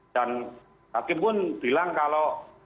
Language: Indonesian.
dan hakim pun bilang kalau